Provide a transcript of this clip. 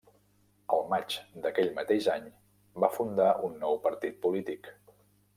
El maig d'aquell mateix any va fundar un nou partit polític.